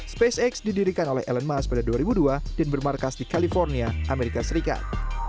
spacex didirikan oleh elon musk pada dua ribu dua dan bermarkas di california amerika serikat